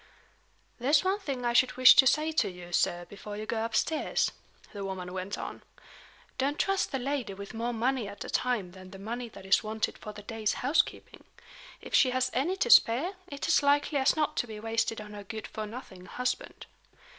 "There's one thing I should wish to say to you, sir, before you go upstairs," the woman went on. "Don't trust the lady with more money at a time than the money that is wanted for the day's housekeeping. If she has any to spare, it's as likely as not to be wasted on her good for nothing husband."